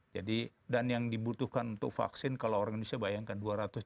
jadi dan yang dibutuhkan untuk vaksin kalau orang indonesia bayangkan